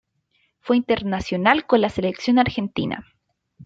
Fue internacional con la Selección Argentina.